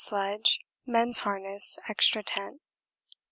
sledge: men's harness, extra tent.